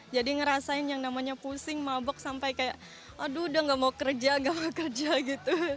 jadi ngerasain yang namanya pusing mabok sampai kayak aduh udah gak mau kerja gak mau kerja gitu